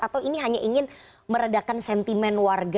atau ini hanya ingin meredakan sentimen warga